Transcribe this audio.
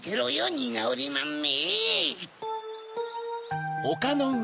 ニガウリマンめ！